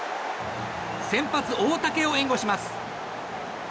先発、大竹を援護します。